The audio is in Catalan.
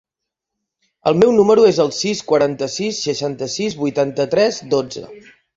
El meu número es el sis, quaranta-sis, seixanta-sis, vuitanta-tres, dotze.